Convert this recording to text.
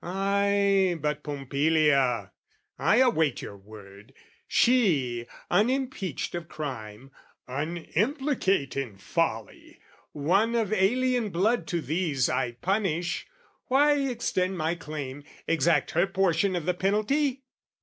Ay, but Pompilia, I await your word, She, unimpeached of crime, unimplicate In folly, one of alien blood to these I punish, why extend my claim, exact Her portion of the penalty?